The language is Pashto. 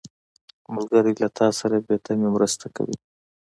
ملګری له تا سره بې تمې مرسته کوي